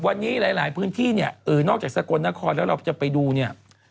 วันนี้หลายพื้นที่เนี่ยเออนอกจากสกลนครแล้วเราจะไปดูเนี่ย